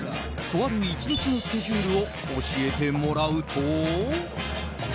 とある１日のスケジュールを教えてもらうと。